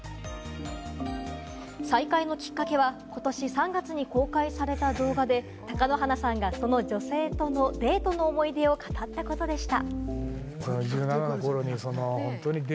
再会のきっかけはことし３月に公開された動画で、貴乃花さんがその女性とのデートの思い出を語ったことでした。